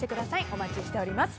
お待ちしております。